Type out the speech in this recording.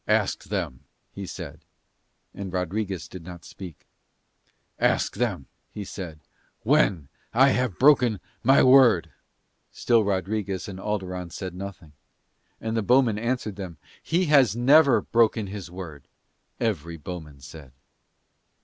"Ask them" he said. And Rodriguez did not speak. "Ask them," he said again, "when I have broken my word." Still Rodriguez and Alderon said nothing. And the bowmen answered them. "He has never broken his word," every bowman said.